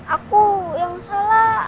aku yang salah